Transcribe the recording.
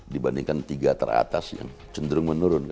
dibandingkan tiga teratas yang cenderung menurun